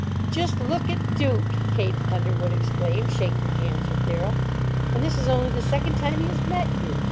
"Just look at Duke!" Kate Underwood exclaimed, shaking hands with Darrell; "and this is only the second time he has met you!